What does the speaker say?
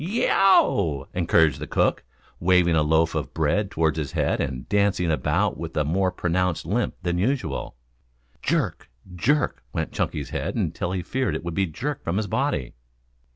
"Y e o w!" encouraged the cook, waving a loaf of bread above his head and dancing about with a more pronounced limp than usual. Jerk, jerk, went Chunky's head until he feared it would be jerked from his body.